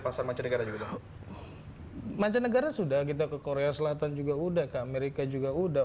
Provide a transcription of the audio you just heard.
pasar mancanegara juga mancanegara sudah kita ke korea selatan juga udah ke amerika juga udah